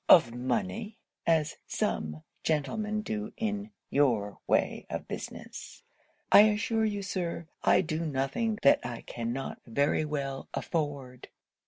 of money, as some gentlemen do in your way of business, I assure you, Sir, I do nothing that I cannot very well afford.'